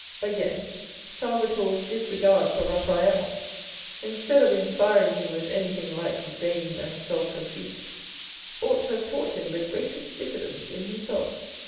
Again, Salvator's disregard for Eaphael, instead of inspiring him with anything like " vain and self conceit," ought to have taught him the greatest diffidence in him self.